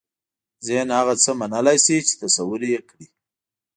ذهن هغه څه منلای شي چې تصور یې کړي.